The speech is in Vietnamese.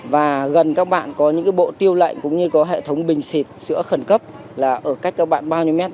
và gần các bạn có những bộ tiêu lệnh cũng như có hệ thống bình xịt sữa khẩn cấp là ở cách các bạn bao nhiêu mét